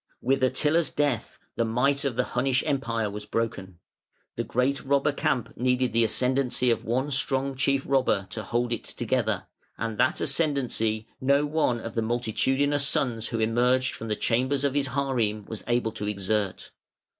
With Attila's death the might of the Hunnish Empire was broken. The great robber camp needed the ascendancy of one strong chief robber to hold it together, and that ascendancy no one of the multitudinous sons who emerged from the chambers of his harem was able to exert.